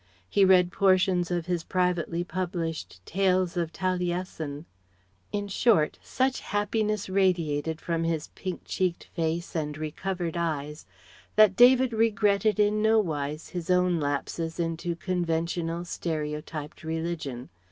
He read portions of his privately published Tales of Taliessin. In short such happiness radiated from his pink cheeked face and recovered eyes that David regretted in no wise his own lapses into conventional, stereotyped religion.